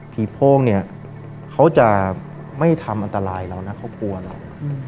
โพ่งเนี่ยเขาจะไม่ทำอันตรายเรานะเขากลัวเรา